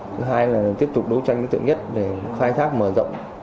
thứ hai là tiếp tục đấu tranh đối tượng nhất để khai thác mở rộng